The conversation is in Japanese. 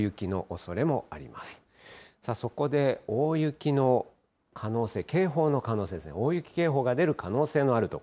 そこで大雪の可能性、警報の可能性ですね、大雪警報が出る可能性のある所。